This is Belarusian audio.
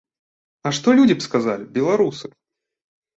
А што людзі б сказалі, беларусы?